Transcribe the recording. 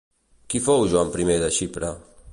Qui fou Joan I de Xipre?